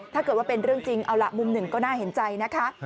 ถ้าเกิดว่าเป็นเรื่องจริงเอาล่ะมุมหนึ่งก็น่าเห็นใจนะคะ